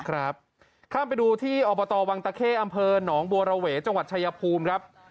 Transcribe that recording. ข้ามไปดูที่อบตวังตะเข้อำเภอหนองบัวระเวจังหวัดชายภูมิครับ